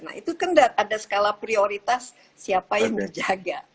nah itu kan ada skala prioritas siapa yang menjaga